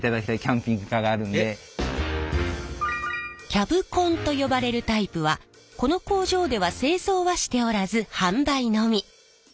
キャブコンと呼ばれるタイプはこの工場では製造はしておらず販売のみ。